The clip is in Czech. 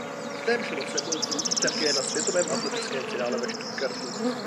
V témž roce byl druhý také na světovém atletickém finále ve Stuttgartu.